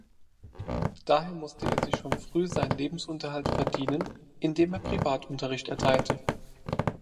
Daher musste er sich schon früh seinen Lebensunterhalt verdienen, indem er Privatunterricht erteilte.